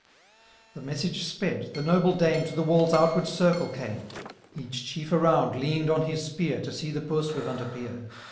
"—. The message sped, the noble Dame To the wall's outward circle came ; Each chief around lean'd on his spear, I'o see the pursuivant appear.